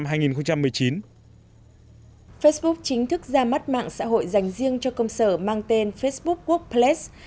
facebook chính thức ra mắt mạng xã hội dành riêng cho công sở mang tên facebook workplace